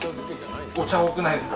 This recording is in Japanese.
お茶多くないですか？